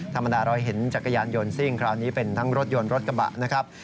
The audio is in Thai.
ธรรมดาเราเห็นจักรยานยนต์ซิ่งคราวนี้เป็นทั้งรถยนต์รถกระบะนะครับ